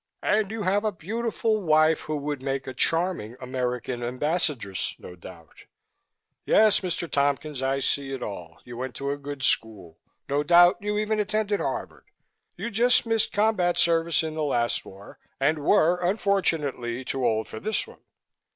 " and you have a beautiful wife who would make a charming American Ambassadress, no doubt: Yes, Mr. Tompkins, I see it all. You went to a good school, no doubt you even attended Harvard. You just missed combat service in the last war and were unfortunately too old for this one.